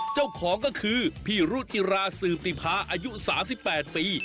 เจ้าของก็คือพี่รุจิราสืบติภาอายุ๓๘ปี